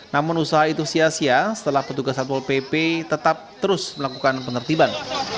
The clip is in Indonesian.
namun usaha itu sia sia setelah petugas satpol pp tetap terus melakukan penertiban